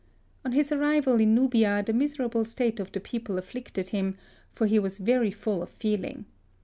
On his arrival in Nubia the miserable state of the people afflicted him, for he was very full of feeling.